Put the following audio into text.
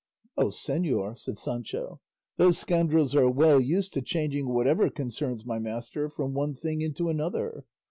"Oh, señor," said Sancho, "those scoundrels are well used to changing whatever concerns my master from one thing into another.